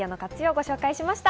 ご紹介しました。